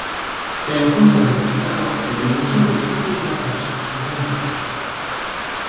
Se encuentra depositado en el Museo de Historia Natural, de Londres.